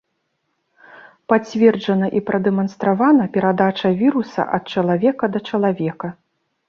Пацверджана і прадэманстравана перадача віруса ад чалавека да чалавека.